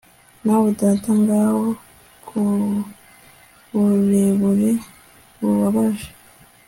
Nawe data ngaho ku burebure bubabaje